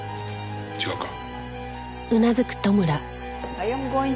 違うか？